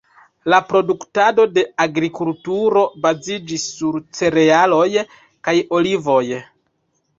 La produktado de agrikulturo baziĝis sur cerealoj kaj olivoj.